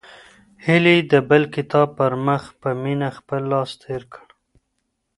هیلې د بل کتاب پر مخ په مینه خپل لاس تېر کړ.